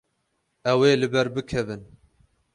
Ew ê li ber bikevin.